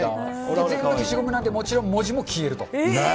普通の消しゴムなんで、もちろん文字も消えると。